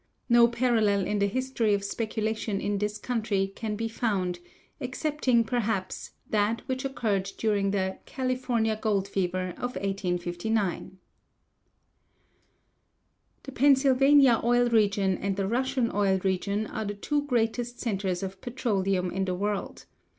No parallel in the history of speculation in this country can be found, excepting, perhaps, that which occurred during the 'California gold fever' of 1849." The Pennsylvania oil region and the Russian oil region are the two greatest centers of petroleum in the world.